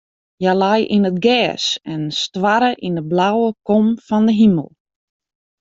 Hja lei yn it gers en stoarre yn de blauwe kom fan de himel.